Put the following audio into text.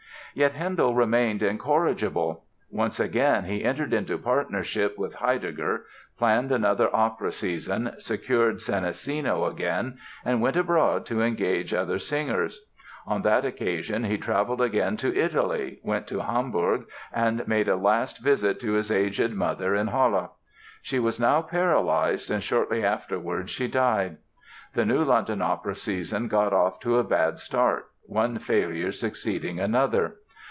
Yet Handel remained incorrigible. Once again he entered into partnership with Heidegger, planned another opera season, secured Senesino again and went abroad to engage other singers. On that occasion he traveled again to Italy, went to Hamburg and made a last visit to his aged mother in Halle. She was now paralyzed, and shortly afterwards she died. The new London opera season got off to a bad start, one failure succeeding another.